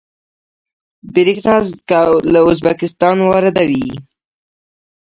بریښنا له ازبکستان واردوي